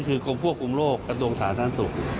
คือกรมควบคุมโรคกระทรวงสาธารณสุข